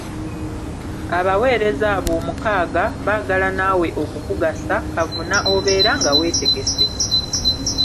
Abaweereza abo omukaaga baagala naawe okukugasa, kavuna obeera nga weetegese.